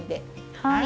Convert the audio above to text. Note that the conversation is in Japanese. はい。